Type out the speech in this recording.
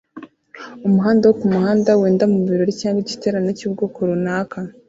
Umuhanda wo kumuhanda wenda mubirori cyangwa igiterane cyubwoko runaka